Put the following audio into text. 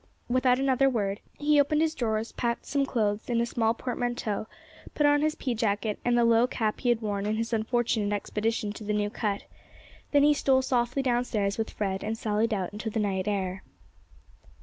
Without another word he opened his drawers, packed some clothes in a small portmanteau, put on his pea jacket and the low cap he had worn in his unfortunate expedition to the New Cut; then he stole softly downstairs with Fred, and sallied out into the night air.